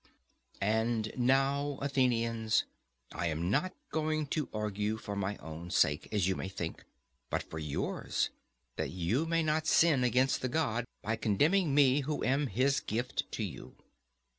And now, Athenians, I am not going to argue for my own sake, as you may think, but for yours, that you may not sin against the God by condemning me, who am his gift to you.